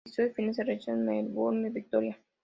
El episodio final se realizó en Melbourne, Victoria.